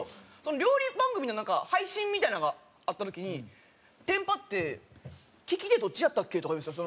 料理番組の配信みたいなのがあった時にテンパって「利き手どっちやったっけ？」とか言うんですよ。